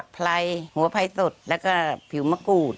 ไพรหัวไพรสดแล้วก็ผิวมะกรูด